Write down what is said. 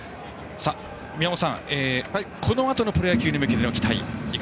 宮本さん、このあとのプロ野球に向けての期待。